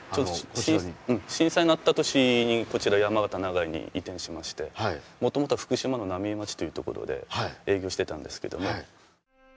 震災のあった年にこちら山形・長井に移転しましてもともとは福島の浪江町という所で営業してたんですけども。